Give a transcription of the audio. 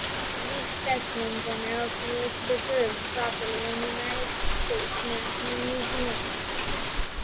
These specimens are now preserved properly in the United States National Museum.